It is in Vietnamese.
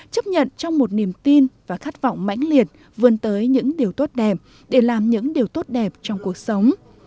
chấp nhận trong một niềm tin và khát vọng mãnh liệt vươn tới những điều tốt đẹp để làm những điều tốt đẹp trong cuộc sống